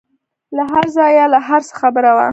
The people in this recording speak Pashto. له هرځايه له هرڅه خبره وه.